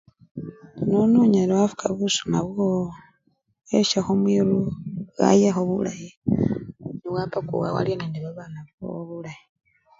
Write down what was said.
Indi nono onyala wafuka busima bwowo wesyakho mwiru, bwayakho bulayi newapakuwa walyakho nende babana bowo bulayi.